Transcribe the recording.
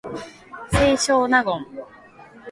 清少納言